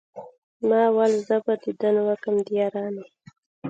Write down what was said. ما ول زه به ديدن وکم د يارانو